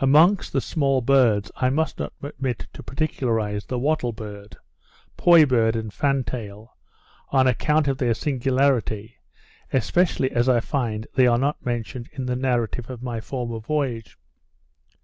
Among the small birds I must not omit to particularize the wattle bird, poy bird, and fan tail, on account of their singularity, especially as I find they are not mentioned in the narrative of my former voyage.